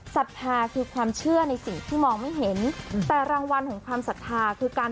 ศรัทธาคือความเชื่อในสิ่งที่มองไม่เห็นแต่รางวัลของความศรัทธาคือการ